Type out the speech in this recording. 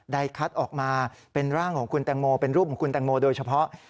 คัดออกมาเป็นร่างของคุณแตงโมเป็นรูปของคุณแตงโมโดยเฉพาะ